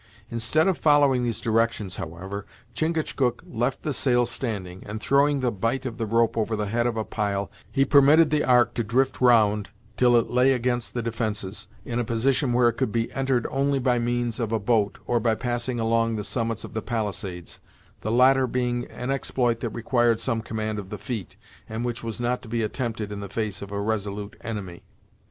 Instead of following these directions, however, Chingachgook left the sail standing, and throwing the bight of the rope over the head of a pile, he permitted the Ark to drift round until it lay against the defences, in a position where it could be entered only by means of a boat, or by passing along the summits of the palisades; the latter being an exploit that required some command of the feet, and which was not to be attempted in the face of a resolute enemy.